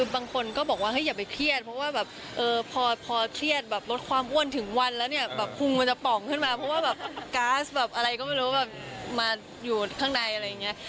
บางคนก็บอกว่าอย่าไปเครียดเพราะว่าแบบพอเครียดแบบลดความอ้วนถึงวันแล้วเนี่ยแบบพุงมันจะป่องขึ้นมาเพราะว่าแบบก๊าซแบบอะไรก็ไม่รู้แบบมาอยู่ข้างในอะไรอย่างนี้